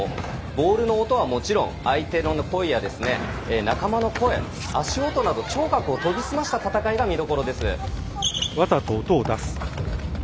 ボールの音は、もちろん相手の声や仲間の声、足音など聴覚を研ぎ澄ました戦いが見どころです。